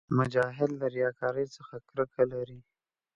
مجاهد له ریاکارۍ څخه کرکه لري.